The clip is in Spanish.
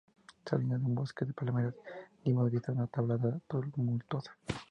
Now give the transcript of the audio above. saliendo de un bosque de palmeras, dimos vista a una tablada tumultuosa